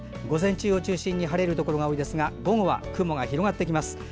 午前中を中心に晴れるところが多いですが午後は雲が広がってきます。